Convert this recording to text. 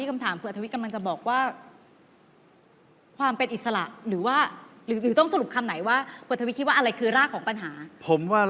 ไม่ใช่การอาหาร